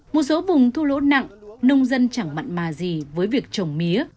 một số vùng thua lỗ nặng nông dân chẳng mặn mà gì với việc trồng mía